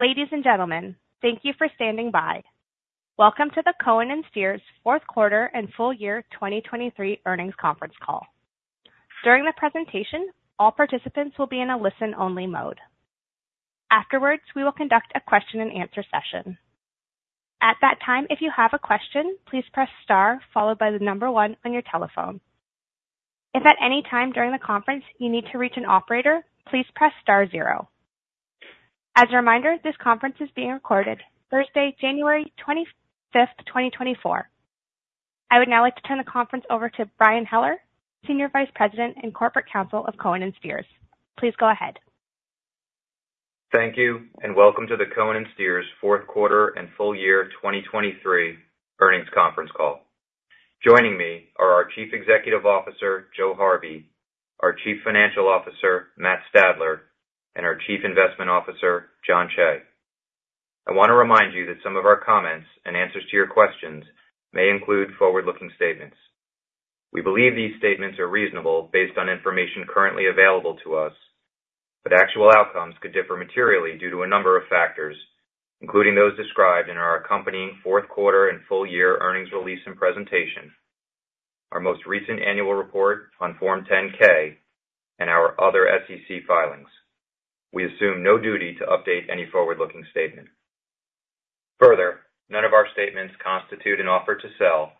Ladies and gentlemen, thank you for standing by. Welcome to the Cohen & Steers fourth quarter and full year 2023 earnings conference call. During the presentation, all participants will be in a listen-only mode. Afterwards, we will conduct a question and answer session. At that time, if you have a question, please press star followed by the number one on your telephone. If at any time during the conference you need to reach an operator, please press star zero. As a reminder, this conference is being recorded Thursday, January 25, 2024. I would now like to turn the conference over to Brian Heller, Senior Vice President and Corporate Counsel of Cohen & Steers. Please go ahead. Thank you, and welcome to the Cohen & Steers fourth quarter and full year 2023 earnings conference call. Joining me are our Chief Executive Officer, Joe Harvey, our Chief Financial Officer, Matt Stadler, and our Chief Investment Officer, Jon Cheigh. I want to remind you that some of our comments and answers to your questions may include forward-looking statements. We believe these statements are reasonable based on information currently available to us, but actual outcomes could differ materially due to a number of factors, including those described in our accompanying fourth quarter and full year earnings release and presentation, our most recent annual report on Form 10-K and our other SEC filings. We assume no duty to update any forward-looking statement. Further, none of our statements constitute an offer to sell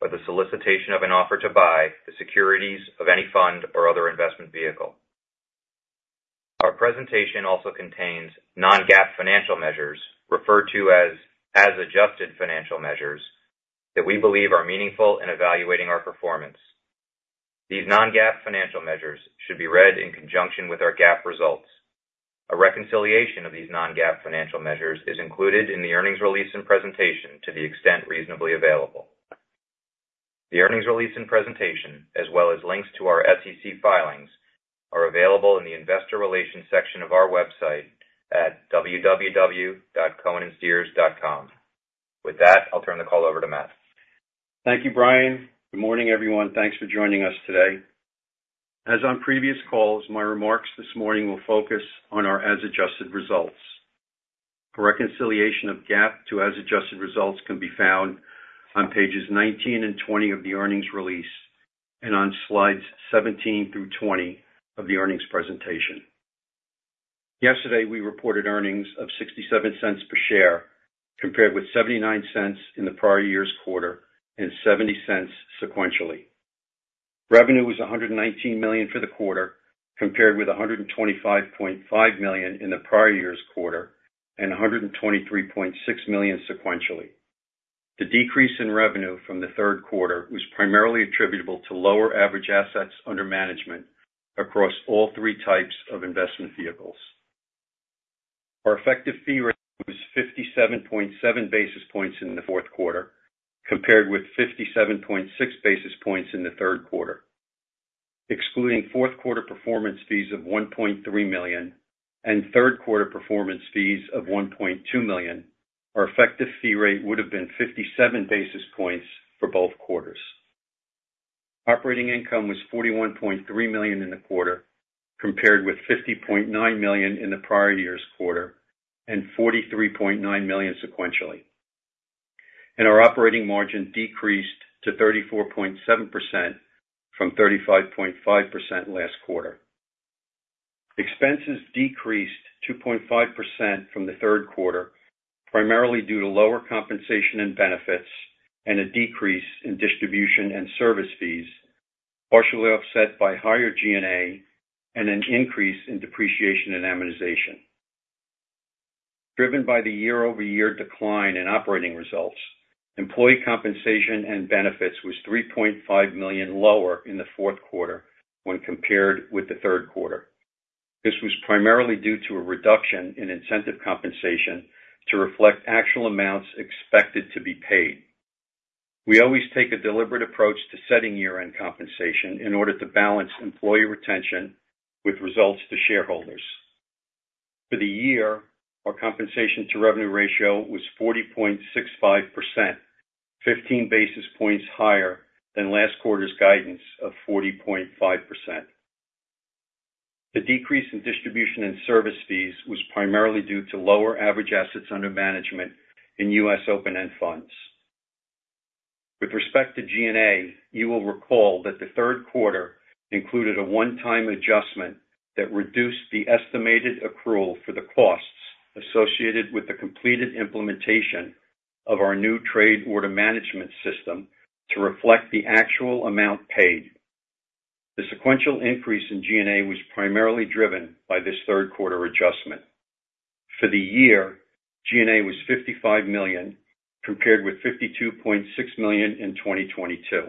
or the solicitation of an offer to buy the securities of any fund or other investment vehicle. Our presentation also contains non-GAAP financial measures, referred to as adjusted financial measures, that we believe are meaningful in evaluating our performance. These non-GAAP financial measures should be read in conjunction with our GAAP results. A reconciliation of these non-GAAP financial measures is included in the earnings release and presentation to the extent reasonably available. The earnings release and presentation, as well as links to our SEC filings, are available in the Investor Relations section of our website at www.cohenandsteers.com. With that, I'll turn the call over to Matt. Thank you, Brian. Good morning, everyone. Thanks for joining us today. As on previous calls, my remarks this morning will focus on our as adjusted results. A reconciliation of GAAP to as adjusted results can be found on pages 19 and 20 of the earnings release and on slides 17 through 20 of the earnings presentation. Yesterday, we reported earnings of $0.67 per share, compared with $0.79 in the prior year's quarter and $0.70 sequentially. Revenue was $119 million for the quarter, compared with $125.5 million in the prior year's quarter and $123.6 million sequentially. The decrease in revenue from the third quarter was primarily attributable to lower average assets under management across all three types of investment vehicles. Our effective fee rate was 57.7 basis points in the fourth quarter, compared with 57.6 basis points in the third quarter. Excluding fourth quarter performance fees of $1.3 million and third quarter performance fees of $1.2 million, our effective fee rate would have been 57 basis points for both quarters. Operating income was $41.3 million in the quarter, compared with $50.9 million in the prior year's quarter and $43.9 million sequentially, and our operating margin decreased to 34.7% from 35.5% last quarter. Expenses decreased 2.5% from the third quarter, primarily due to lower compensation and benefits and a decrease in distribution and service fees, partially offset by higher G&A and an increase in depreciation and amortization. Driven by the year-over-year decline in operating results, employee compensation and benefits was $3.5 million lower in the fourth quarter when compared with the third quarter. This was primarily due to a reduction in incentive compensation to reflect actual amounts expected to be paid. We always take a deliberate approach to setting year-end compensation in order to balance employee retention with results to shareholders. For the year, our compensation to revenue ratio was 40.65%, 15 basis points higher than last quarter's guidance of 40.5%. The decrease in distribution and service fees was primarily due to lower average assets under management in U.S. open-end funds. With respect to G&A, you will recall that the third quarter included a one-time adjustment that reduced the estimated accrual for the costs associated with the completed implementation of our new trade order management system to reflect the actual amount paid. The sequential increase in G&A was primarily driven by this third quarter adjustment. For the year, G&A was $55 million, compared with $52.6 million in 2022.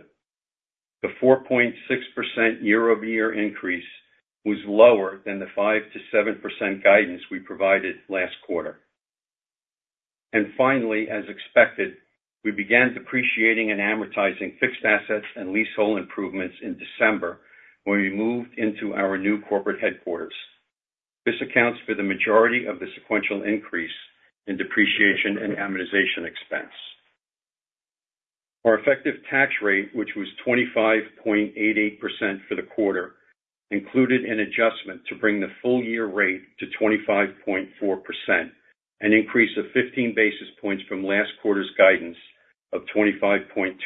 The 4.6% year-over-year increase was lower than the 5%-7% guidance we provided last quarter. Finally, as expected, we began depreciating and amortizing fixed assets and leasehold improvements in December, when we moved into our new corporate headquarters. This accounts for the majority of the sequential increase in depreciation and amortization expense. Our effective tax rate, which was 25.88% for the quarter, included an adjustment to bring the full year rate to 25.4%, an increase of 15 basis points from last quarter's guidance of 25.25%.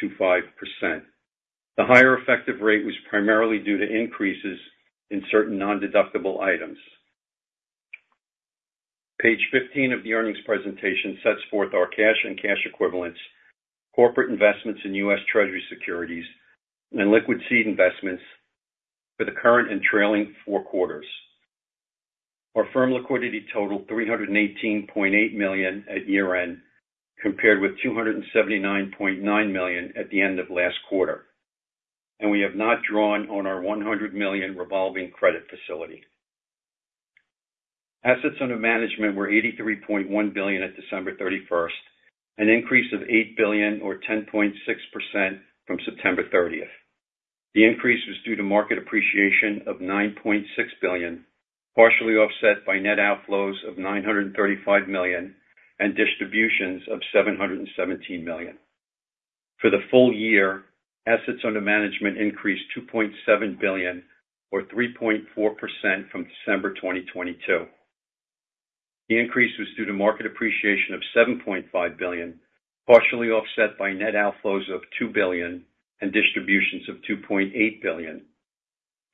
The higher effective rate was primarily due to increases in certain nondeductible items. Page 15 of the earnings presentation sets forth our cash and cash equivalents, corporate investments in U.S. Treasury securities, and liquid seed investments for the current and trailing four quarters. Our firm liquidity totaled $318.8 million at year-end, compared with $279.9 million at the end of last quarter, and we have not drawn on our $100 million revolving credit facility. Assets under management were $83.1 billion at December 31, an increase of $8 billion or 10.6% from September 30. The increase was due to market appreciation of $9.6 billion, partially offset by net outflows of $935 million and distributions of $717 million. For the full year, assets under management increased $2.7 billion or 3.4% from December 2022. The increase was due to market appreciation of $7.5 billion, partially offset by net outflows of $2 billion and distributions of $2.8 billion.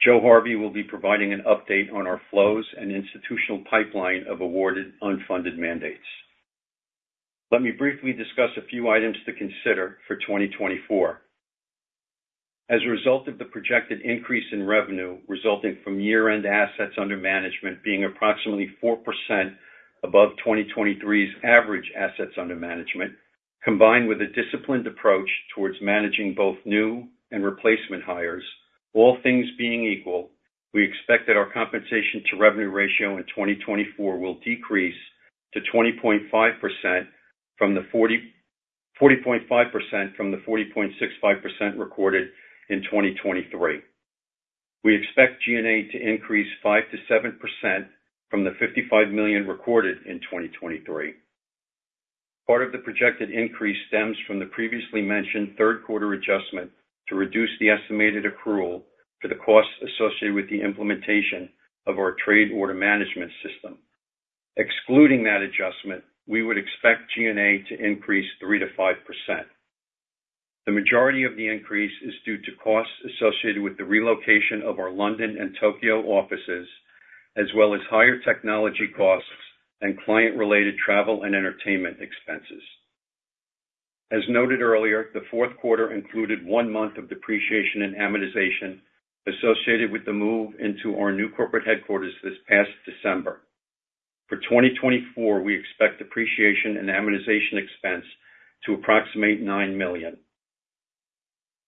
Joe Harvey will be providing an update on our flows and institutional pipeline of awarded unfunded mandates. Let me briefly discuss a few items to consider for 2024. As a result of the projected increase in revenue resulting from year-end assets under management being approximately 4% above 2023's average assets under management, combined with a disciplined approach towards managing both new and replacement hires, all things being equal, we expect that our compensation to revenue ratio in 2024 will decrease to 20.5% from the 40.65% recorded in 2023. We expect G&A to increase 5%-7% from the $55 million recorded in 2023. Part of the projected increase stems from the previously mentioned third quarter adjustment to reduce the estimated accrual for the costs associated with the implementation of our trade order management system. Excluding that adjustment, we would expect G&A to increase 3%-5%. The majority of the increase is due to costs associated with the relocation of our London and Tokyo offices, as well as higher technology costs and client-related travel and entertainment expenses. As noted earlier, the fourth quarter included one month of depreciation and amortization associated with the move into our new corporate headquarters this past December. For 2024, we expect depreciation and amortization expense to approximate $9 million.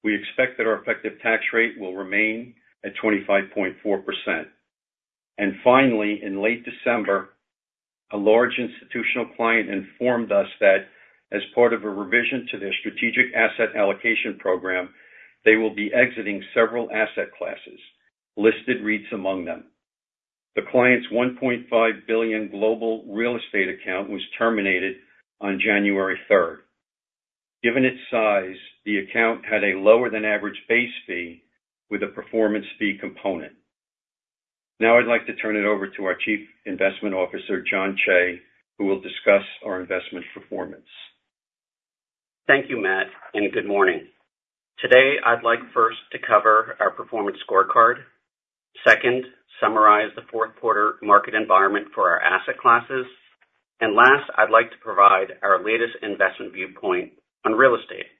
We expect that our effective tax rate will remain at 25.4%. And finally, in late December, a large institutional client informed us that as part of a revision to their strategic asset allocation program, they will be exiting several asset classes, listed REITs among them. The client's $1.5 billion global real estate account was terminated on January third. Given its size, the account had a lower than average base fee with a performance fee component. Now I'd like to turn it over to our Chief Investment Officer, Jon Cheigh, who will discuss our investment performance. Thank you, Matt, and good morning. Today, I'd like first to cover our performance scorecard, second, summarize the fourth quarter market environment for our asset classes, and last, I'd like to provide our latest investment viewpoint on real estate.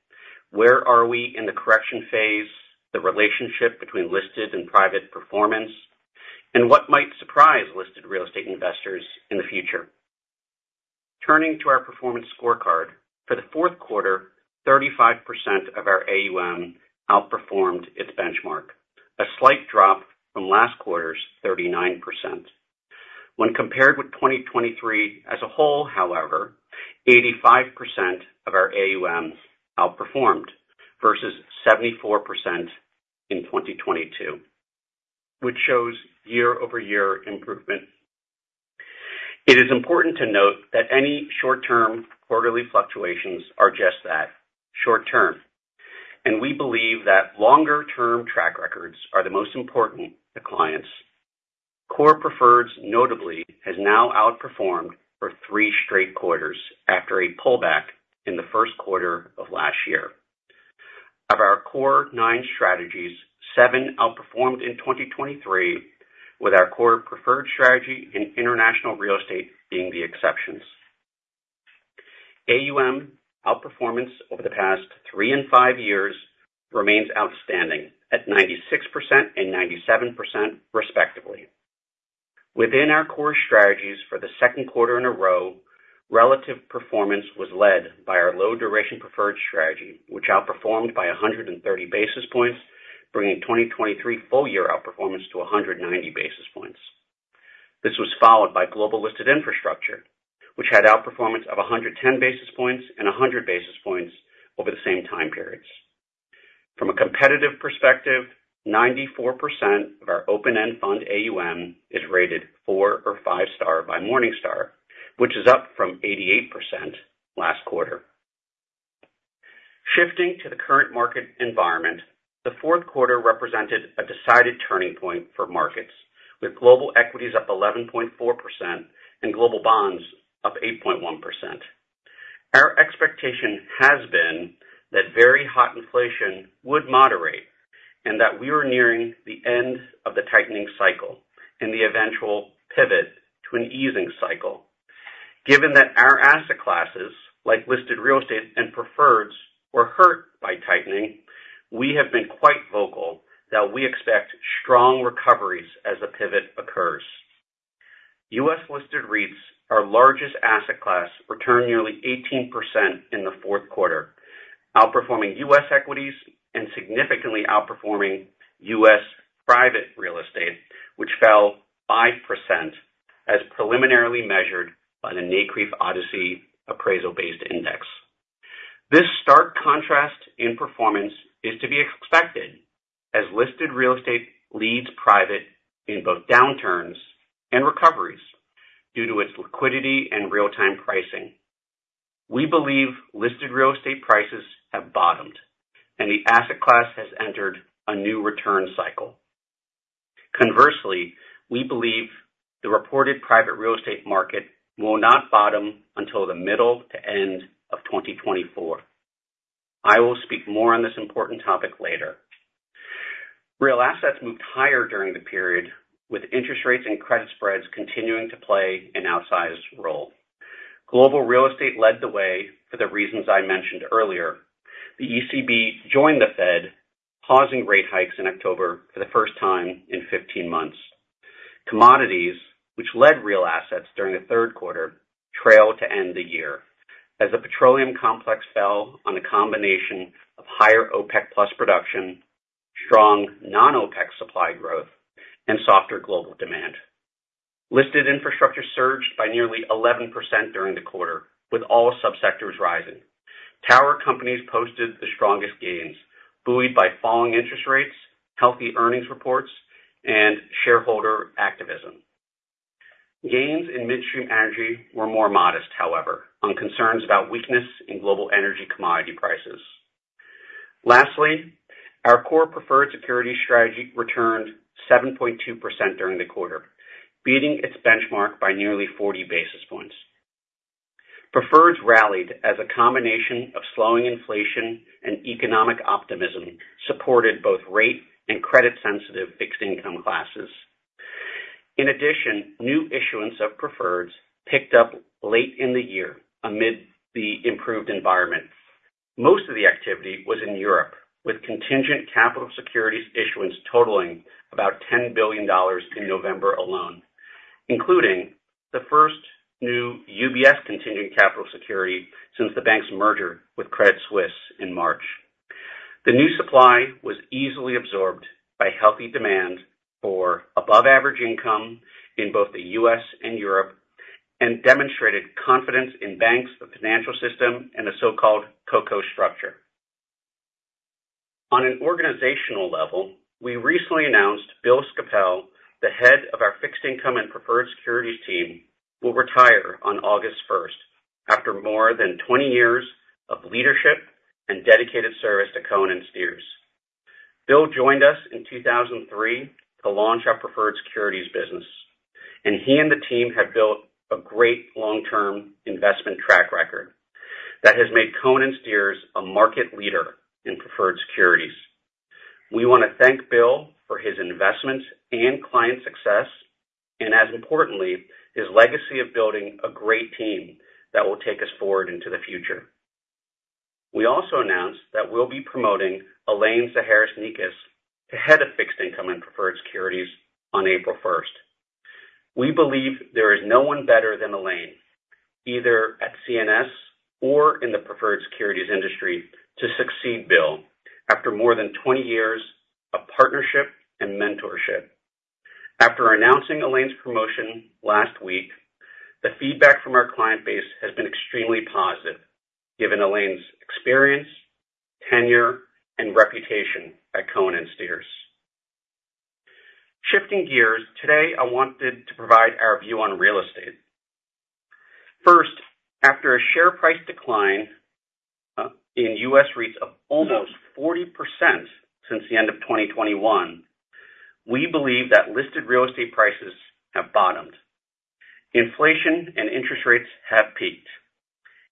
Where are we in the correction phase, the relationship between listed and private performance, and what might surprise listed real estate investors in the future? Turning to our performance scorecard, for the fourth quarter, 35% of our AUM outperformed its benchmark, a slight drop from last quarter's 39%. When compared with 2023 as a whole, however, 85% of our AUM outperformed versus 74% in 2022, which shows year-over-year improvement. It is important to note that any short-term, quarterly fluctuations are just that, short term, and we believe that longer-term track records are the most important to clients. Core preferred, notably, has now outperformed for three straight quarters after a pullback in the first quarter of last year. Of our core nine strategies, seven outperformed in 2023, with our core preferred strategy in international real estate being the exceptions. AUM outperformance over the past three and five years remains outstanding at 96% and 97%, respectively. Within our core strategies for the second quarter in a row, relative performance was led by our low duration preferred strategy, which outperformed by 130 basis points, bringing 2023 full-year outperformance to 190 basis points. This was followed by global listed infrastructure, which had outperformance of 110 basis points and 100 basis points over the same time period.... From a competitive perspective, 94% of our open-end fund AUM is rated four or five star by Morningstar, which is up from 88% last quarter. Shifting to the current market environment, the fourth quarter represented a decided turning point for markets, with global equities up 11.4% and global bonds up 8.1%. Our expectation has been that very hot inflation would moderate and that we were nearing the end of the tightening cycle and the eventual pivot to an easing cycle. Given that our asset classes, like listed real estate and preferreds, were hurt by tightening, we have been quite vocal that we expect strong recoveries as a pivot occurs. U.S. listed REITs, our largest asset class, returned nearly 18% in the fourth quarter, outperforming U.S. equities and significantly outperforming U.S. private real estate, which fell 5% as preliminarily measured by the NCREIF ODCE appraisal-based index. This stark contrast in performance is to be expected as listed real estate leads private in both downturns and recoveries due to its liquidity and real-time pricing. We believe listed real estate prices have bottomed, and the asset class has entered a new return cycle. Conversely, we believe the reported private real estate market will not bottom until the middle to end of 2024. I will speak more on this important topic later. Real assets moved higher during the period, with interest rates and credit spreads continuing to play an outsized role. Global real estate led the way for the reasons I mentioned earlier. The ECB joined the Fed, pausing rate hikes in October for the first time in 15 months. Commodities, which led real assets during the third quarter, trailed to end the year, as the petroleum complex fell on a combination of higher OPEC plus production, strong non-OPEC supply growth, and softer global demand. Listed infrastructure surged by nearly 11% during the quarter, with all subsectors rising. Tower companies posted the strongest gains, buoyed by falling interest rates, healthy earnings reports, and shareholder activism. Gains in midstream energy were more modest, however, on concerns about weakness in global energy commodity prices. Lastly, our core preferred securities strategy returned 7.2% during the quarter, beating its benchmark by nearly 40 basis points. Preferreds rallied as a combination of slowing inflation and economic optimism, supported both rate and credit-sensitive fixed income classes. In addition, new issuance of preferreds picked up late in the year amid the improved environment. Most of the activity was in Europe, with contingent capital securities issuance totaling about $10 billion in November alone, including the first new UBS contingent capital security since the bank's merger with Credit Suisse in March. The new supply was easily absorbed by healthy demand for above-average income in both the U.S. and Europe, and demonstrated confidence in banks, the financial system, and the so-called CoCo structure. On an organizational level, we recently announced Bill Scapell, the head of our fixed income and preferred securities team, will retire on August 1, after more than 20 years of leadership and dedicated service to Cohen & Steers. Bill joined us in 2003 to launch our preferred securities business, and he and the team have built a great long-term investment track record that has made Cohen & Steers a market leader in preferred securities. We wanna thank Bill for his investments and client success, and as importantly, his legacy of building a great team that will take us forward into the future. We also announced that we'll be promoting Elaine Zaharis-Nikas to Head of Fixed Income and Preferred Securities on April 1. We believe there is no one better than Elaine, either at CNS or in the preferred securities industry, to succeed Bill after more than 20 years of partnership and mentorship. After announcing Elaine's promotion last week, the feedback from our client base has been extremely positive, given Elaine's experience, tenure, and reputation at Cohen & Steers. Shifting gears, today, I wanted to provide our view on real estate. First, after a share price decline in U.S. REITs of almost 40% since the end of 2021, we believe that listed real estate prices have bottomed. Inflation and interest rates have peaked.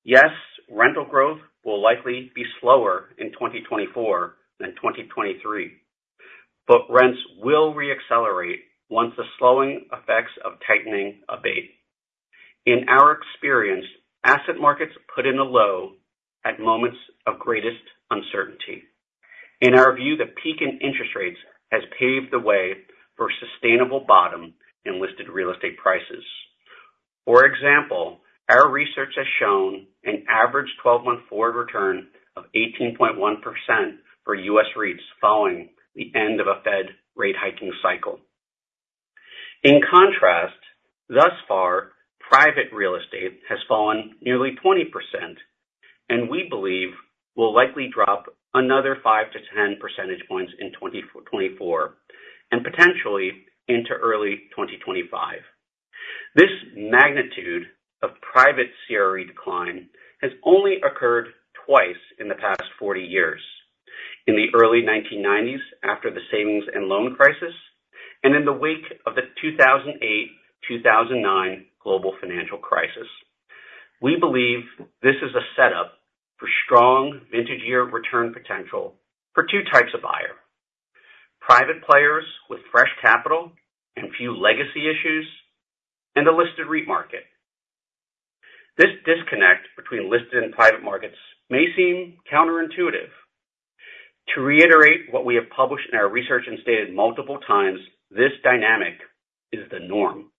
Yes, rental growth will likely be slower in 2024 than 2023, but rents will re-accelerate once the slowing effects of tightening abate. In our experience, asset markets put in a low at moments of greatest uncertainty. In our view, the peak in interest rates has paved the way for sustainable bottom in listed real estate prices. For example, our research has shown an average 12-month forward return of 18.1% for U.S. REITs following the end of a Fed rate hiking cycle.... In contrast, thus far, private real estate has fallen nearly 20% and we believe will likely drop another 5-10 percentage points in 2024, and potentially into early 2025. This magnitude of private CRE decline has only occurred twice in the past 40 years. In the early 1990s, after the savings and loan crisis, and in the wake of the 2008, 2009 global financial crisis. We believe this is a setup for strong vintage year return potential for two types of buyer: private players with fresh capital and few legacy issues, and the listed REIT market. This disconnect between listed and private markets may seem counterintuitive. To reiterate what we have published in our research and stated multiple times, this dynamic is the norm.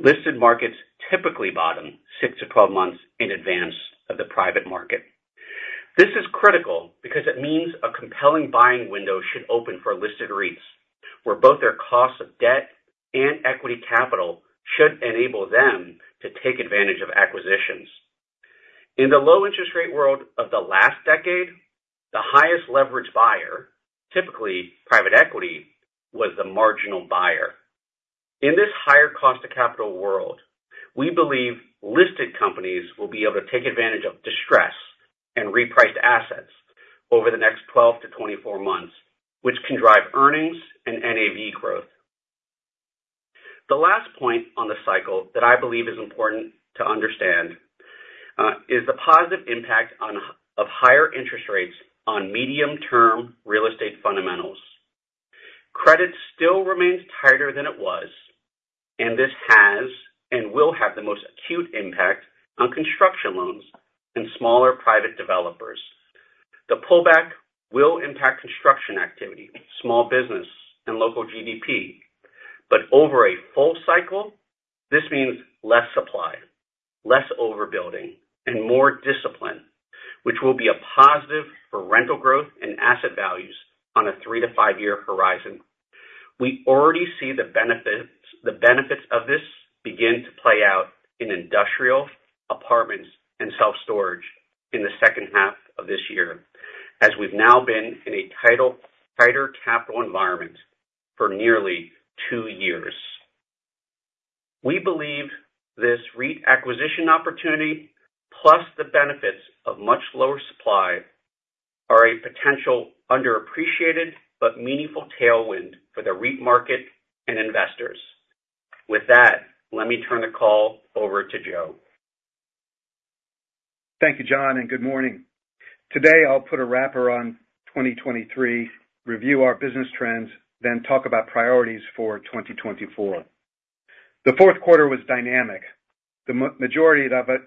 Listed markets typically bottom 6-12 months in advance of the private market. This is critical because it means a compelling buying window should open for listed REITs, where both their costs of debt and equity capital should enable them to take advantage of acquisitions. In the low interest rate world of the last decade, the highest leverage buyer, typically private equity, was the marginal buyer. In this higher cost of capital world, we believe listed companies will be able to take advantage of distress and reprice assets over the next 12-24 months, which can drive earnings and NAV growth. The last point on the cycle that I believe is important to understand is the positive impact of higher interest rates on medium-term real estate fundamentals. Credit still remains tighter than it was, and this has and will have the most acute impact on construction loans and smaller private developers. The pullback will impact construction activity, small business, and local GDP, but over a full cycle, this means less supply, less overbuilding, and more discipline, which will be a positive for rental growth and asset values on a 3-5-year horizon. We already see the benefits, the benefits of this begin to play out in industrial, apartments, and self-storage in the second half of this year, as we've now been in a tighter capital environment for nearly two years. We believe this REIT acquisition opportunity, plus the benefits of much lower supply, are a potential underappreciated but meaningful tailwind for the REIT market and investors. With that, let me turn the call over to Joe. Thank you, Jon, and good morning. Today, I'll put a wrapper on 2023, review our business trends, then talk about priorities for 2024. The fourth quarter was dynamic. The majority of it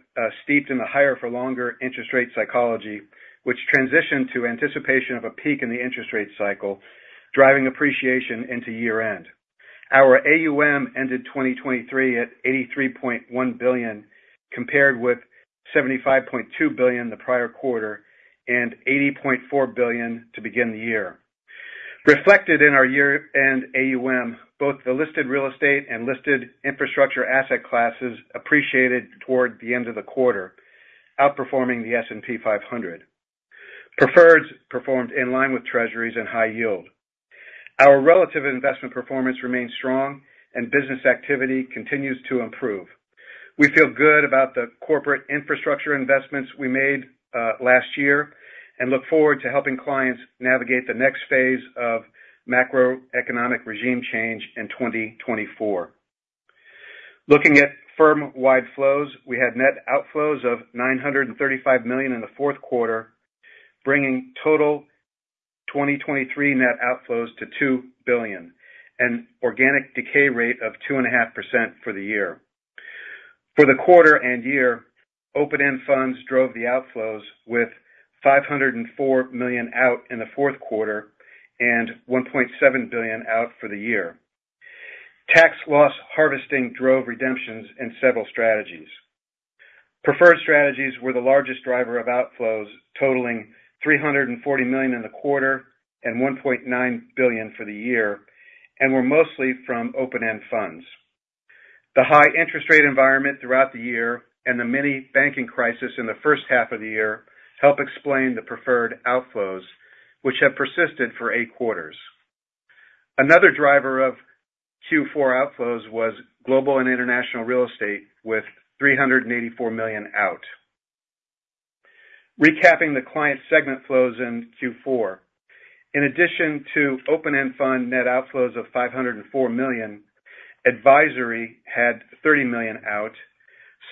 steeped in the higher for longer interest rate psychology, which transitioned to anticipation of a peak in the interest rate cycle, driving appreciation into year-end. Our AUM ended 2023 at $83.1 billion, compared with $75.2 billion the prior quarter, and $80.4 billion to begin the year. Reflected in our year-end AUM, both the listed real estate and listed infrastructure asset classes appreciated toward the end of the quarter, outperforming the S&P 500. Preferreds performed in line with Treasuries and high yield. Our relative investment performance remains strong and business activity continues to improve. We feel good about the corporate infrastructure investments we made last year, and look forward to helping clients navigate the next phase of macroeconomic regime change in 2024. Looking at firm-wide flows, we had net outflows of $935 million in the fourth quarter, bringing total 2023 net outflows to $2 billion, an organic decay rate of 2.5% for the year. For the quarter and year, open-end funds drove the outflows with $504 million out in the fourth quarter and $1.7 billion out for the year. Tax loss harvesting drove redemptions in several strategies. Preferred strategies were the largest driver of outflows, totaling $340 million in the quarter and $1.9 billion for the year, and were mostly from open-end funds. The high interest rate environment throughout the year and the mini banking crisis in the first half of the year help explain the preferred outflows, which have persisted for 8 quarters. Another driver of Q4 outflows was global and international real estate, with $384 million out. Recapping the client segment flows in Q4. In addition to open-end fund net outflows of $504 million, advisory had $30 million out,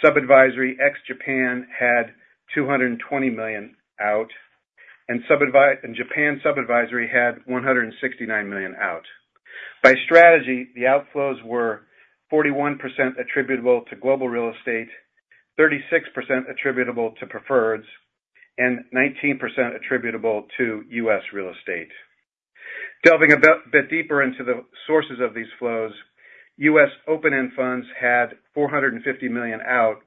sub-advisory ex-Japan had $220 million out, and sub-advisory and Japan sub-advisory had $169 million out. By strategy, the outflows were 41% attributable to global real estate, 36% attributable to preferreds, and 19% attributable to U.S real estate. Delving a bit deeper into the sources of these flows, U.S. open-end funds had $450 million out-...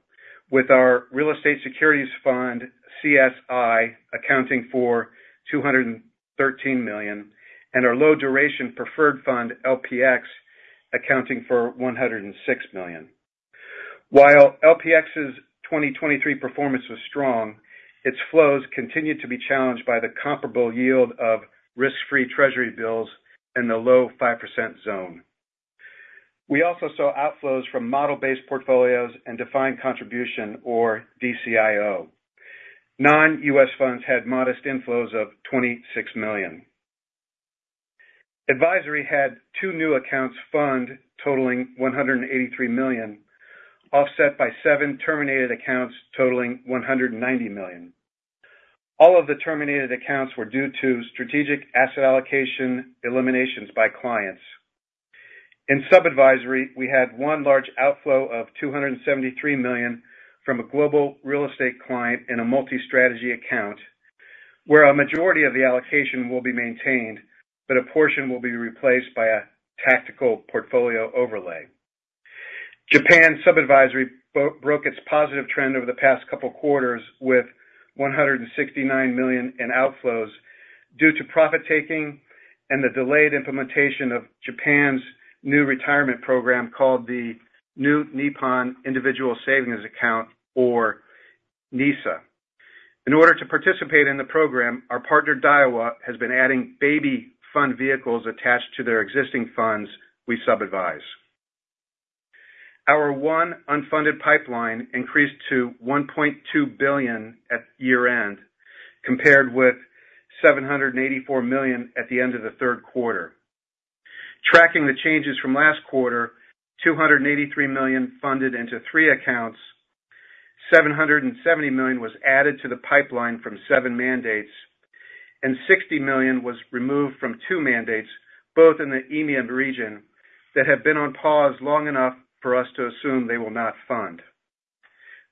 With our real estate securities fund, CSR, accounting for $213 million, and our low duration preferred fund, LPX, accounting for $106 million. While LPX's 2023 performance was strong, its flows continued to be challenged by the comparable yield of risk-free treasury bills in the low 5% zone. We also saw outflows from model-based portfolios and defined contribution or DCIO. Non-U.S. funds had modest inflows of $26 million. Advisory had two new accounts fund, totaling $183 million, offset by seven terminated accounts, totaling $190 million. All of the terminated accounts were due to strategic asset allocation eliminations by clients. In sub-advisory, we had one large outflow of $273 million from a global real estate client in a multi-strategy account, where a majority of the allocation will be maintained, but a portion will be replaced by a tactical portfolio overlay. Japan sub-advisory broke its positive trend over the past couple of quarters, with $169 million in outflows due to profit-taking and the delayed implementation of Japan's new retirement program, called the Nippon Individual Savings Account, or NISA. In order to participate in the program, our partner, Daiwa, has been adding baby fund vehicles attached to their existing funds we sub-advise. Our one unfunded pipeline increased to $1.2 billion at year-end, compared with $784 million at the end of the third quarter. Tracking the changes from last quarter, $283 million funded into three accounts, $770 million was added to the pipeline from seven mandates, and $60 million was removed from two mandates, both in the EMEA region, that have been on pause long enough for us to assume they will not fund.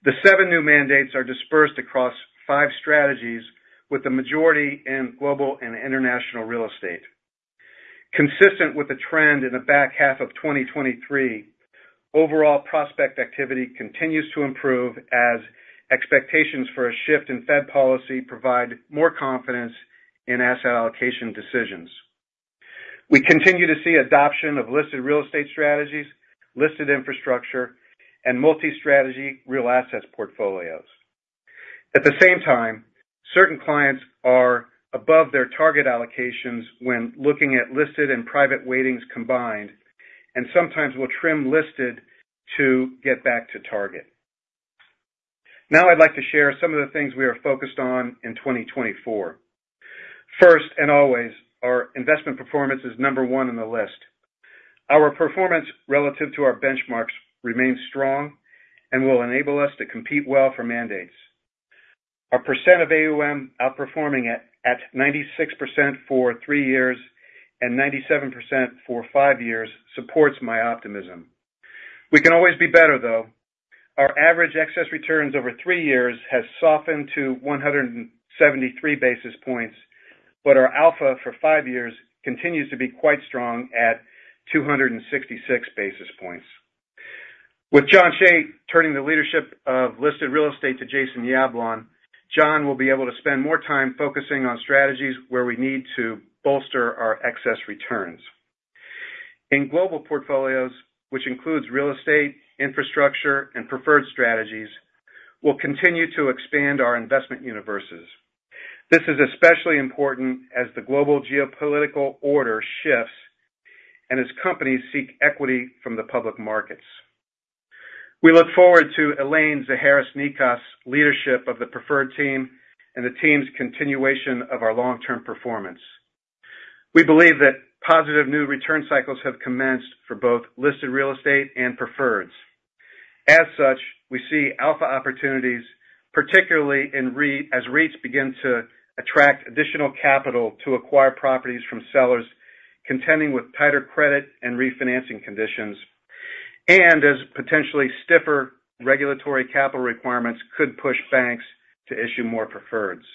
The seven new mandates are dispersed across five strategies, with the majority in global and international real estate. Consistent with the trend in the back half of 2023, overall prospect activity continues to improve as expectations for a shift in Fed policy provide more confidence in asset allocation decisions. We continue to see adoption of listed real estate strategies, listed infrastructure, and multi-strategy real assets portfolios. At the same time, certain clients are above their target allocations when looking at listed and private weightings combined, and sometimes will trim listed to get back to target. Now I'd like to share some of the things we are focused on in 2024. First, and always, our investment performance is number one on the list. Our performance relative to our benchmarks remains strong and will enable us to compete well for mandates. Our percent of AUM outperforming at 96% for three years and 97% for five years supports my optimism. We can always be better, though. Our average excess returns over three years has softened to 173 basis points, but our alpha for five years continues to be quite strong at 266 basis points. With Jon Cheigh turning the leadership of listed real estate to Jason Yablon, Jon Cheigh will be able to spend more time focusing on strategies where we need to bolster our excess returns. In global portfolios, which includes real estate, infrastructure, and preferred strategies, we'll continue to expand our investment universes. This is especially important as the global geopolitical order shifts and as companies seek equity from the public markets. We look forward to Elaine Zaharis-Nikas' leadership of the preferred team and the team's continuation of our long-term performance. We believe that positive new return cycles have commenced for both listed real estate and preferreds. As such, we see alpha opportunities, particularly in REIT, as REITs begin to attract additional capital to acquire properties from sellers contending with tighter credit and refinancing conditions, and as potentially stiffer regulatory capital requirements could push banks to issue more preferreds.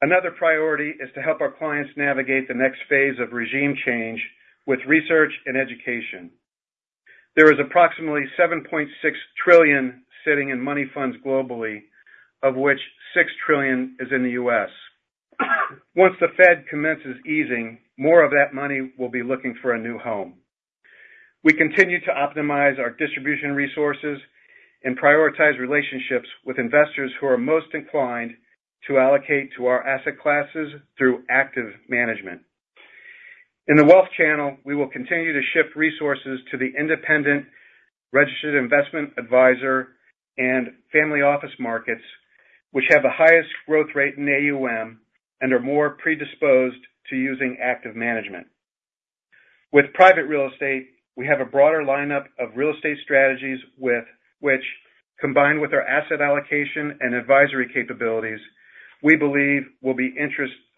Another priority is to help our clients navigate the next phase of regime change with research and education. There is approximately $7.6 trillion sitting in money funds globally, of which $6 trillion is in the U.S. Once the Fed commences easing, more of that money will be looking for a new home. We continue to optimize our distribution resources and prioritize relationships with investors who are most inclined to allocate to our asset classes through active management. In the wealth channel, we will continue to shift resources to the independent registered investment advisor and family office markets, which have the highest growth rate in AUM and are more predisposed to using active management. With private real estate, we have a broader lineup of real estate strategies which, combined with our asset allocation and advisory capabilities, we believe will be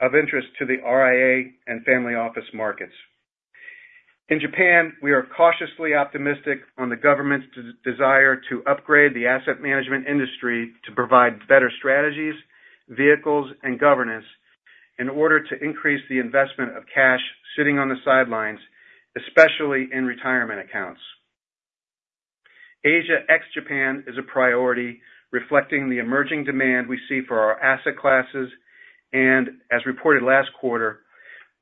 of interest to the RIA and family office markets. In Japan, we are cautiously optimistic on the government's desire to upgrade the asset management industry to provide better strategies, vehicles, and governance in order to increase the investment of cash sitting on the sidelines, especially in retirement accounts. Asia ex Japan is a priority, reflecting the emerging demand we see for our asset classes, and as reported last quarter,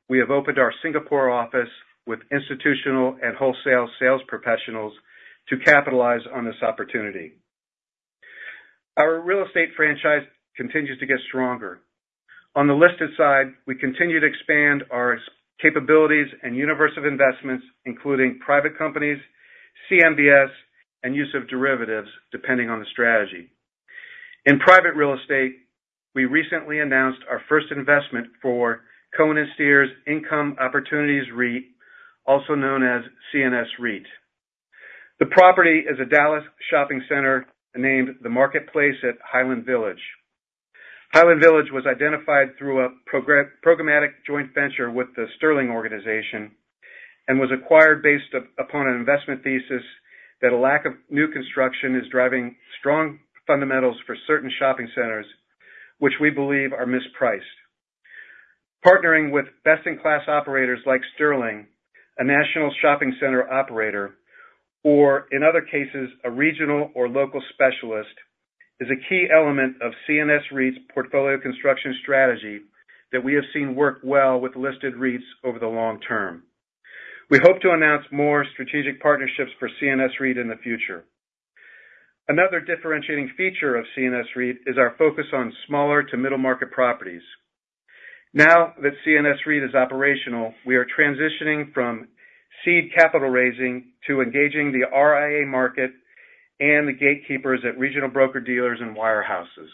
we have opened our Singapore office with institutional and wholesale sales professionals to capitalize on this opportunity. Our real estate franchise continues to get stronger. On the listed side, we continue to expand our capabilities and universe of investments, including private companies, CMBS, and use of derivatives, depending on the strategy. In private real estate, we recently announced our first investment for Cohen & Steers Income Opportunities REIT, also known as CNSREIT. The property is a Dallas shopping center named The Marketplace at Highland Village. Highland Village was identified through a programmatic joint venture with the Sterling Organization, and was acquired based upon an investment thesis that a lack of new construction is driving strong fundamentals for certain shopping centers, which we believe are mispriced. Partnering with best-in-class operators like Sterling, a national shopping center operator, or in other cases, a regional or local specialist, is a key element of CNSREIT's portfolio construction strategy that we have seen work well with listed REITs over the long term. We hope to announce more strategic partnerships for CNSREIT in the future. Another differentiating feature of CNSREIT is our focus on smaller to middle market properties. Now that CNS REIT is operational, we are transitioning from seed capital raising to engaging the RIA market and the gatekeepers at regional broker-dealers and wirehouses.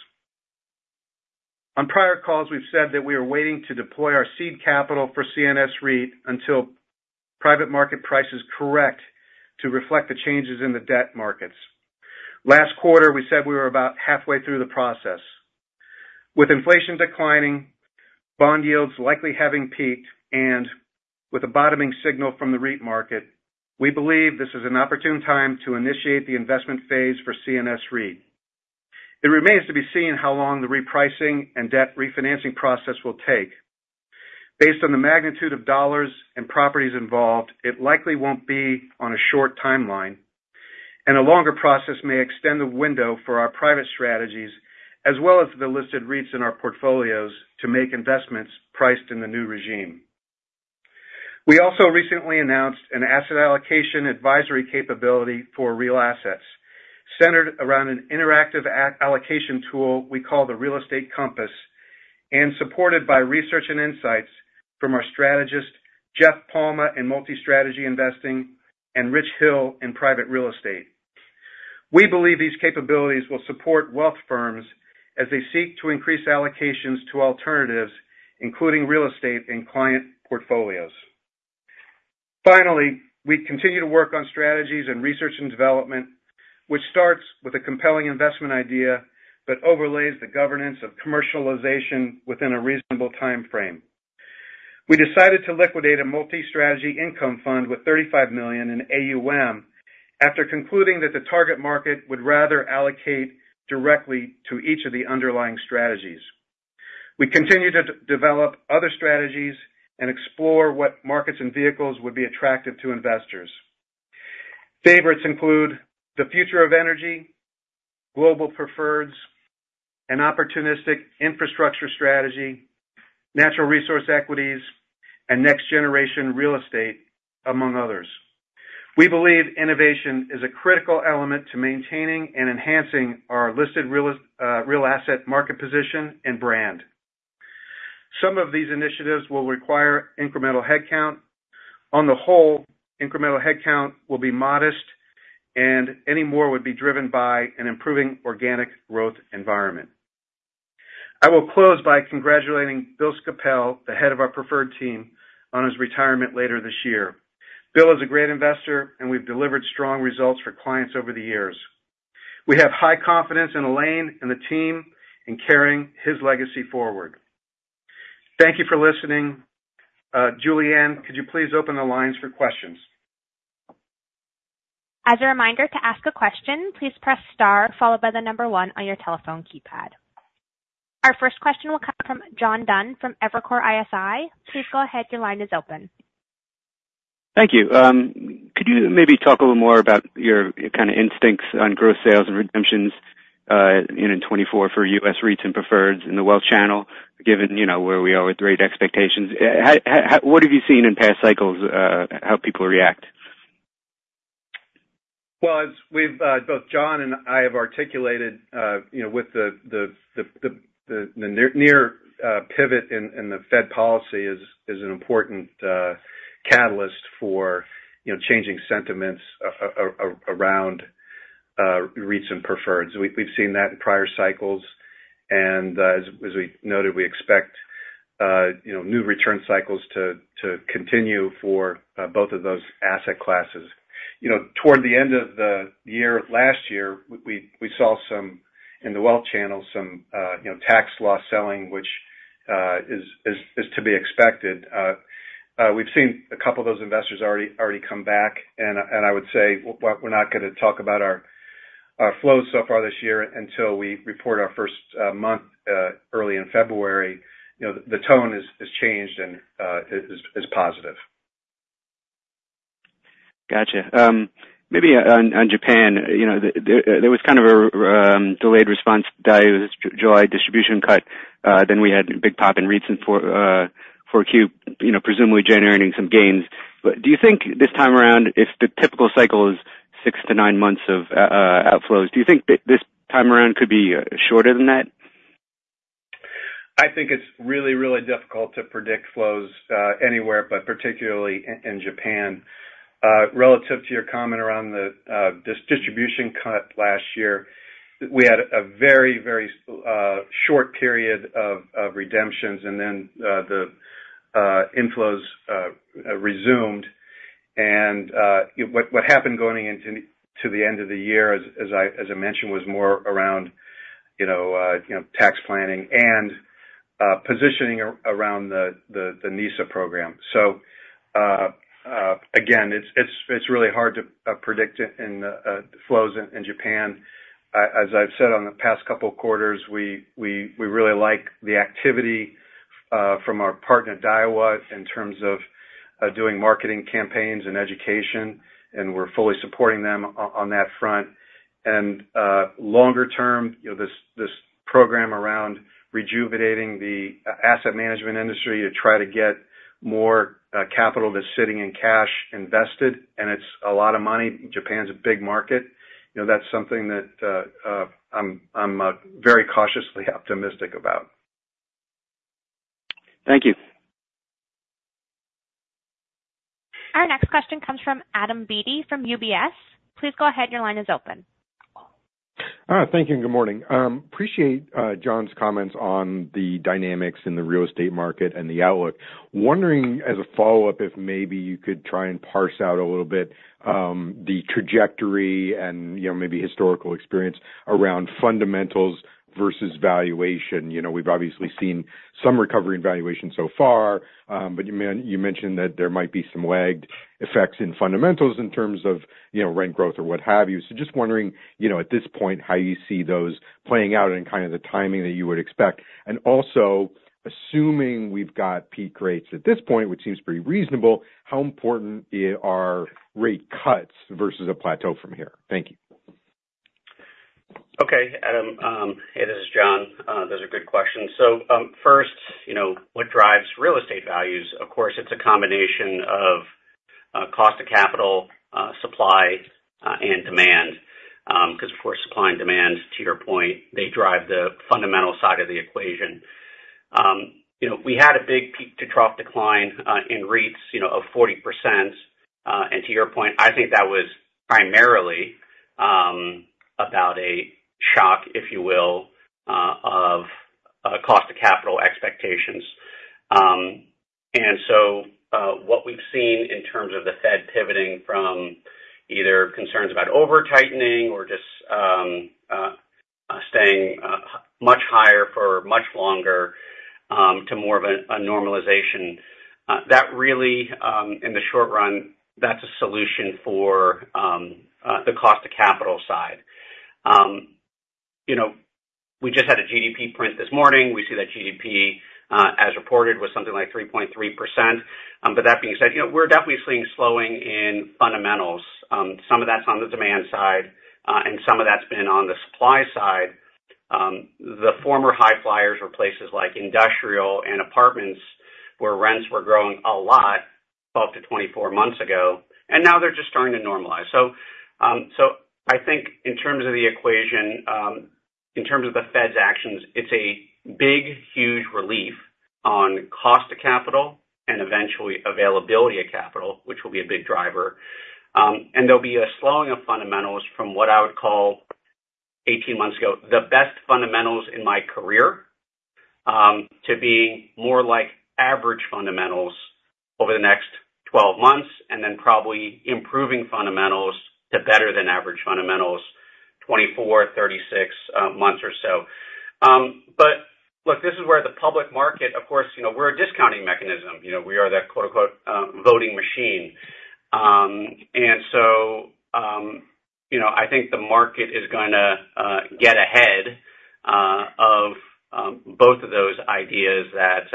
On prior calls, we've said that we are waiting to deploy our seed capital for CNS REIT until private market prices correct to reflect the changes in the debt markets. Last quarter, we said we were about halfway through the process. With inflation declining, bond yields likely having peaked, and with a bottoming signal from the REIT market, we believe this is an opportune time to initiate the investment phase for CNS REIT. It remains to be seen how long the repricing and debt refinancing process will take. Based on the magnitude of dollars and properties involved, it likely won't be on a short timeline, and a longer process may extend the window for our private strategies, as well as the listed REITs in our portfolios, to make investments priced in the new regime. We also recently announced an asset allocation advisory capability for real assets, centered around an interactive asset allocation tool we call the Real Estate Compass, and supported by research and insights from our strategist, Jeff Palma, in multi-strategy investing, and Rich Hill in private real estate. We believe these capabilities will support wealth firms as they seek to increase allocations to alternatives, including real estate and client portfolios. Finally, we continue to work on strategies and research and development, which starts with a compelling investment idea that overlays the governance of commercialization within a reasonable timeframe. We decided to liquidate a multi-strategy income fund with $35 million in AUM, after concluding that the target market would rather allocate directly to each of the underlying strategies. We continue to develop other strategies and explore what markets and vehicles would be attractive to investors. Favorites include the future of energy, global preferreds, an opportunistic infrastructure strategy, natural resource equities, and next generation real estate, among others. We believe innovation is a critical element to maintaining and enhancing our listed real asset market position and brand. Some of these initiatives will require incremental headcount. On the whole, incremental headcount will be modest, and any more would be driven by an improving organic growth environment. I will close by congratulating Bill Scapell, the head of our preferred team, on his retirement later this year. Bill is a great investor, and we've delivered strong results for clients over the years. We have high confidence in Elaine and the team in carrying his legacy forward. Thank you for listening. Julianne, could you please open the lines for questions? As a reminder, to ask a question, please press star followed by the number one on your telephone keypad. Our first question will come from John Dunn from Evercore ISI. Please go ahead, your line is open. Thank you. Could you maybe talk a little more about your kind of instincts on gross sales and redemptions in 2024 for U.S. REITs and preferreds in the wealth channel, given you know where we are with rate expectations? What have you seen in past cycles, how people react? Well, as we've both John and I have articulated, you know, with the near pivot in the Fed policy is an important catalyst for you know changing sentiments around REITs and preferreds. We've seen that in prior cycles, and as we noted, we expect you know new return cycles to continue for both of those asset classes. You know, toward the end of the year, last year, we saw some in the wealth channel some you know tax law selling, which is to be expected. We've seen a couple of those investors already come back, and and I would say we're not gonna talk about our-... Flows so far this year until we report our first month early in February. You know, the tone has changed and is positive. Gotcha. Maybe on Japan, you know, there was kind of a delayed response, Daiwa's July distribution cut, then we had a big pop in recent 4Q, you know, presumably generating some gains. But do you think this time around, if the typical cycle is 6-9 months of outflows, do you think this time around could be shorter than that? I think it's really, really difficult to predict flows anywhere, but particularly in Japan. Relative to your comment around the this distribution cut last year, we had a very, very short period of redemptions, and then the inflows resumed. What happened going into the end of the year, as I mentioned, was more around, you know, you know, tax planning and positioning around the NISA program. So again, it's really hard to predict flows in Japan. As I've said on the past couple of quarters, we really like the activity from our partner, Daiwa, in terms of doing marketing campaigns and education, and we're fully supporting them on that front. And longer term, you know, this program around rejuvenating the asset management industry to try to get more capital that's sitting in cash invested, and it's a lot of money. Japan's a big market. You know, that's something that I'm very cautiously optimistic about. Thank you. Our next question comes from Adam Beatty from UBS. Please go ahead. Your line is open. Thank you, and good morning. Appreciate Jon's comments on the dynamics in the real estate market and the outlook. Wondering, as a follow-up, if maybe you could try and parse out a little bit, the trajectory and, you know, maybe historical experience around fundamentals versus valuation. You know, we've obviously seen some recovery in valuation so far, but you mentioned that there might be some lagged effects in fundamentals in terms of, you know, rent growth or what have you. So just wondering, you know, at this point, how you see those playing out and kind of the timing that you would expect. And also, assuming we've got peak rates at this point, which seems pretty reasonable, how important are rate cuts versus a plateau from here? Thank you. Okay, Adam. Hey, this is Jon. Those are good questions. So, first, you know, what drives real estate values? Of course, it's a combination of cost of capital, supply, and demand. Because, of course, supply and demand, to your point, they drive the fundamental side of the equation. You know, we had a big peak-to-trough decline in REITs, you know, of 40%. And to your point, I think that was primarily about a shock, if you will, of cost of capital expectations. And so, what we've seen in terms of the Fed pivoting from either concerns about over-tightening or just staying much higher for much longer, to more of a normalization, that really in the short run, that's a solution for the cost of capital side. You know, we just had a GDP print this morning. We see that GDP, as reported, was something like 3.3%. But that being said, you know, we're definitely seeing slowing in fundamentals. Some of that's on the demand side, and some of that's been on the supply side. The former high flyers were places like industrial and apartments, where rents were growing a lot up to 24 months ago, and now they're just starting to normalize. So, I think in terms of the equation, in terms of the Fed's actions, it's a big, huge relief on cost of capital and eventually availability of capital, which will be a big driver. And there'll be a slowing of fundamentals from what I would call 18 months ago, the best fundamentals in my career, to being more like average fundamentals over the next 12 months, and then probably improving fundamentals to better than average fundamentals, 24, 36 months or so. But look, this is where the public market. Of course, you know, we're a discounting mechanism. You know, we are that quote, unquote, "voting machine." And so, you know, I think the market is gonna get ahead of both of those ideas that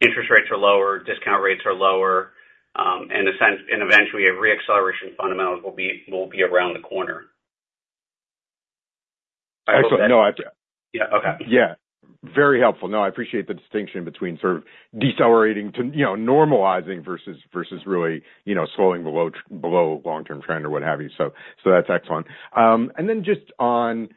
interest rates are lower, discount rates are lower, and eventually a reacceleration fundamentals will be, will be around the corner. Excellent. No, I- Yeah. Okay. Yeah, very helpful. No, I appreciate the distinction between sort of decelerating to, you know, normalizing versus, versus really, you know, slowing below, below long-term trend or what have you. So, so that's excellent. And then just on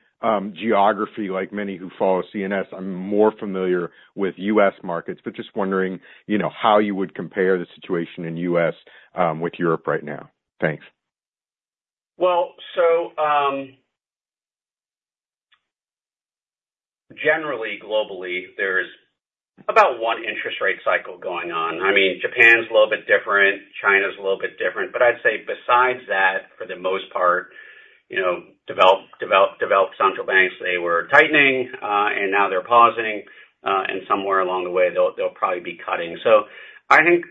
geography, like many who follow CNS, I'm more familiar with U.S. markets, but just wondering, you know, how you would compare the situation in U.S. with Europe right now? Thanks. Well, so, generally, globally, there's about one interest rate cycle going on. I mean, Japan's a little bit different, China's a little bit different, but I'd say besides that, for the most part, you know, developed banks, they were tightening, and now they're pausing, and somewhere along the way, they'll probably be cutting. So I think,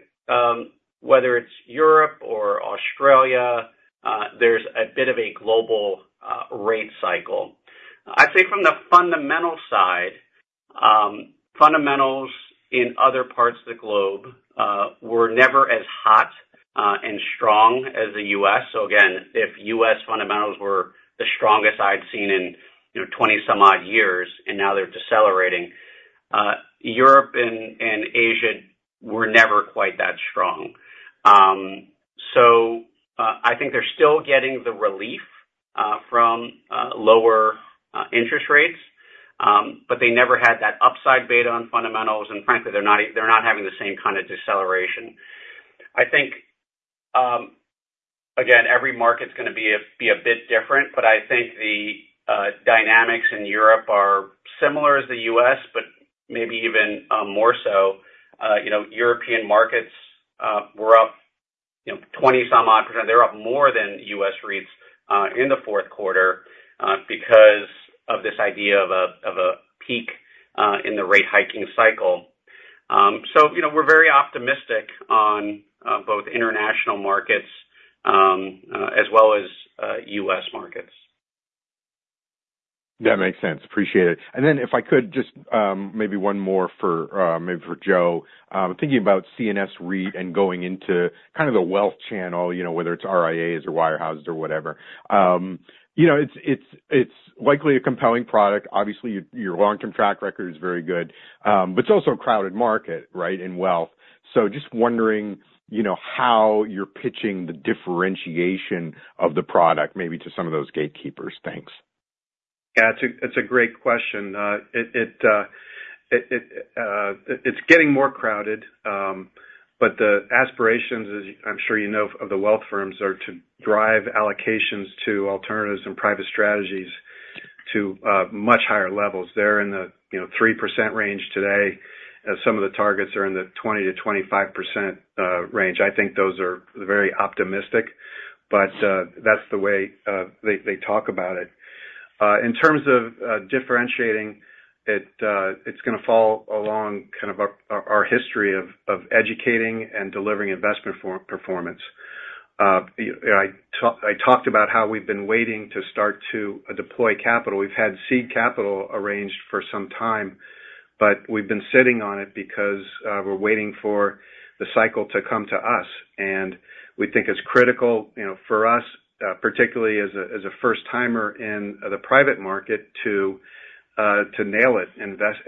whether it's Europe or Australia, there's a bit of a global rate cycle. I'd say from the fundamental side, fundamentals in other parts of the globe were never as hot and strong as the U.S. So again, if U.S. fundamentals were the strongest I'd seen in, you know, 20-some odd years, and now they're decelerating, Europe and Asia were never quite that strong. So, I think they're still getting the relief from lower interest rates. But they never had that upside beta on fundamentals, and frankly, they're not, they're not having the same kind of deceleration. I think, again, every market's gonna be a bit different, but I think the dynamics in Europe are similar as the U.S., but maybe even more so. You know, European markets were up, you know, 20-some odd%. They're up more than U.S. REITs in the fourth quarter because of this idea of a peak in the rate hiking cycle. So, you know, we're very optimistic on both international markets as well as U.S. markets. That makes sense. Appreciate it. And then if I could just, maybe one more for, maybe for Joe. Thinking about CNS REIT and going into kind of the wealth channel, you know, whether it's RIAs or wirehouses or whatever. You know, it's likely a compelling product. Obviously, your long-term track record is very good, but it's also a crowded market, right? In wealth. So just wondering, you know, how you're pitching the differentiation of the product, maybe to some of those gatekeepers. Thanks. Yeah, it's a great question. It’s getting more crowded, but the aspirations, as I'm sure you know, of the wealth firms, are to drive allocations to alternatives and private strategies to much higher levels. They're in the, you know, 3% range today, as some of the targets are in the 20%-25% range. I think those are very optimistic, but that's the way they talk about it. In terms of differentiating, it's gonna fall along kind of our history of educating and delivering investment performance. You know, I talked about how we've been waiting to start to deploy capital. We've had seed capital arranged for some time, but we've been sitting on it because we're waiting for the cycle to come to us, and we think it's critical, you know, for us, particularly as a first-timer in the private market to nail it,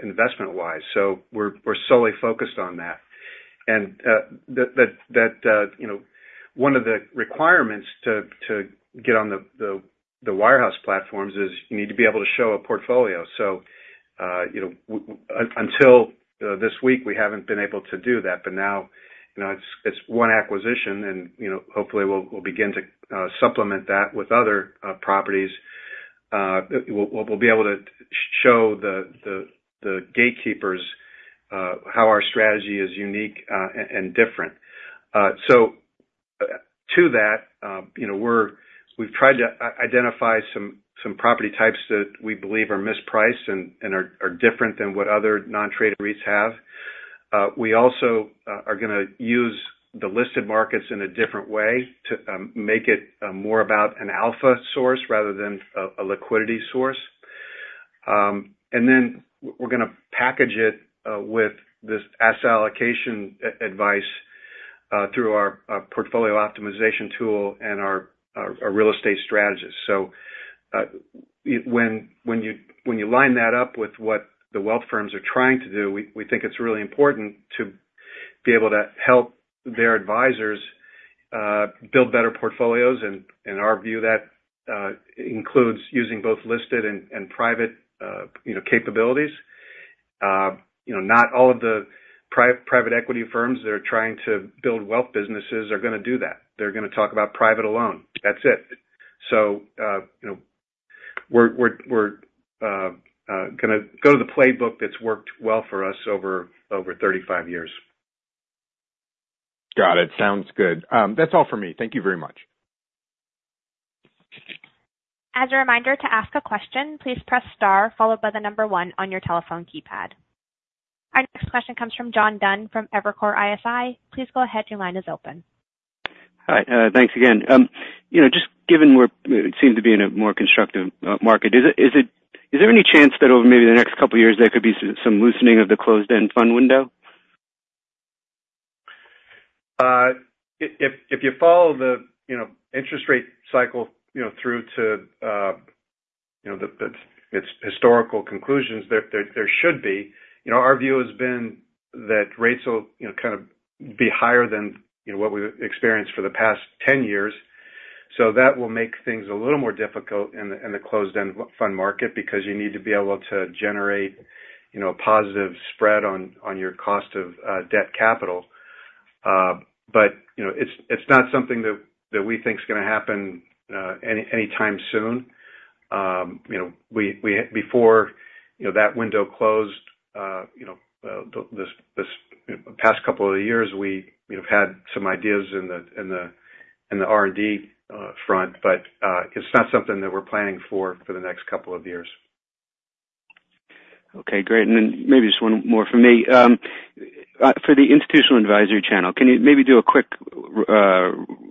investment wise. So we're solely focused on that. And that you know, one of the requirements to get on the wirehouse platforms is you need to be able to show a portfolio. So you know, until this week, we haven't been able to do that, but now, you know, it's one acquisition and, you know, hopefully, we'll begin to supplement that with other properties. We'll be able to show the gatekeepers how our strategy is unique and different. To that, you know, we've tried to identify some property types that we believe are mispriced and are different than what other non-traded REITs have. We also are gonna use the listed markets in a different way to make it more about an alpha source rather than a liquidity source. And then we're gonna package it with this asset allocation advice through our portfolio optimization tool and our real estate strategist. So, when you line that up with what the wealth firms are trying to do, we think it's really important to be able to help their advisors build better portfolios. In our view, that includes using both listed and private, you know, capabilities. You know, not all of the private equity firms that are trying to build wealth businesses are gonna do that. They're gonna talk about private alone. That's it. So, you know, we're gonna go to the playbook that's worked well for us over 35 years. Got it. Sounds good. That's all for me. Thank you very much. As a reminder, to ask a question, please press star, followed by the number one on your telephone keypad. Our next question comes from John Dunn from Evercore ISI. Please go ahead. Your line is open. Hi, thanks again. You know, just given we're—it seems to be in a more constructive market, is there any chance that over maybe the next couple years, there could be some loosening of the closed-end fund window? If you follow the, you know, interest rate cycle, you know, through to, you know, its historical conclusions, there should be. You know, our view has been that rates will, you know, kind of be higher than, you know, what we've experienced for the past 10 years. So that will make things a little more difficult in the, in the closed-end fund market, because you need to be able to generate, you know, a positive spread on your cost of debt capital. But, you know, it's not something that we think is gonna happen anytime soon. You know, we, we-- before-... You know, that window closed. You know, the past couple of years, we, you know, have had some ideas in the R&D front, but it's not something that we're planning for the next couple of years. Okay, great. And then maybe just one more from me. For the institutional advisory channel, can you maybe do a quick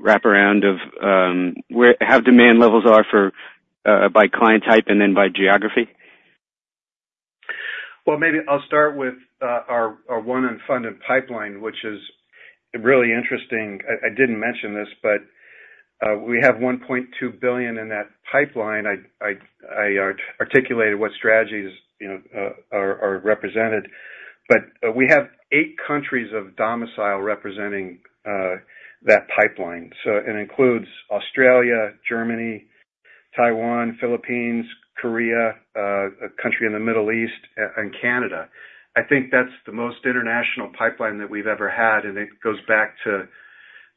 wrap around of how demand levels are by client type and then by geography? Well, maybe I'll start with our one unfunded pipeline, which is really interesting. I didn't mention this, but we have $1.2 billion in that pipeline. I articulated what strategies, you know, are represented. But we have eight countries of domicile representing that pipeline, so it includes Australia, Germany, Taiwan, Philippines, Korea, a country in the Middle East, and Canada. I think that's the most international pipeline that we've ever had, and it goes back to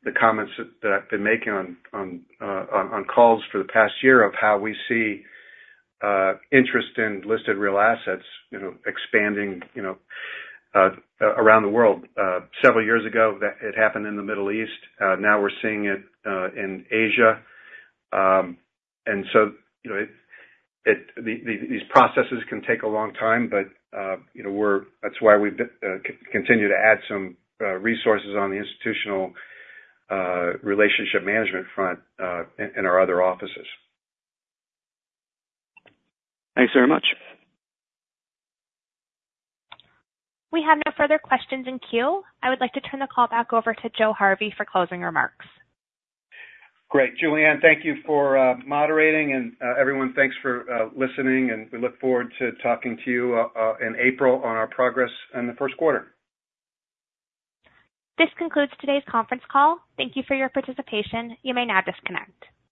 the comments that I've been making on calls for the past year of how we see interest in listed real assets, you know, expanding around the world. Several years ago, that it happened in the Middle East. Now we're seeing it in Asia. So, you know, these processes can take a long time, but you know, that's why we've continued to add some resources on the institutional relationship management front, in our other offices. Thanks very much. We have no further questions in queue. I would like to turn the call back over to Joe Harvey for closing remarks. Great, Julianne, thank you for moderating, and everyone, thanks for listening, and we look forward to talking to you in April on our progress in the first quarter. This concludes today's conference call. Thank you for your participation. You may now disconnect.